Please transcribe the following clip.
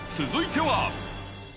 続いては。